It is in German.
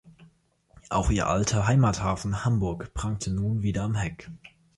Auch ihr alter Heimathafen „Hamburg“ prangte nun wieder am Heck.